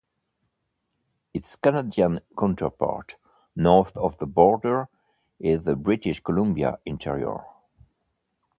Its Canadian counterpart, north of the border, is the British Columbia Interior.